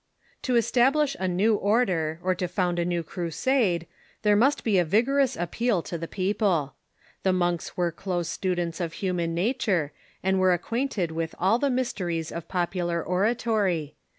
To establish a new order, or to found a new crusade, there must be a vigorous appeal to the people. The monks were close stu The Sermon ,^,^,\ i •^ i ..i dents of human nature, and were acquainted Avith all the mysteries of popular oratory.